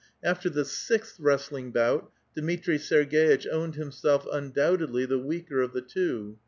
Alter the sixth wrestling ^ut, Dmitri Serg^itch owned himself undoubtedly the weaker of the two.